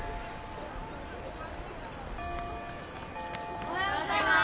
おはようございまーす。